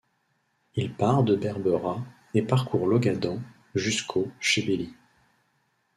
Il part de Berbera et parcourt l'Ogaden jusqu'au Chébéli.